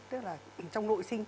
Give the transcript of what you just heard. tức là trong nội sinh